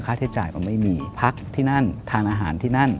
ใช้จ่ายมันไม่มีพักที่นั่นทานอาหารที่นั่น